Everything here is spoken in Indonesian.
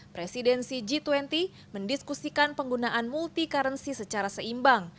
presidensi g dua puluh mendiskusikan penggunaan multi currency secara seimbang